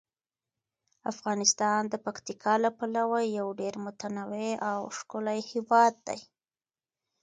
افغانستان د پکتیکا له پلوه یو ډیر متنوع او ښکلی هیواد دی.